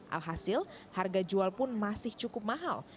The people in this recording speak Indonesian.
alhasil harga jual pun masih cukup mahal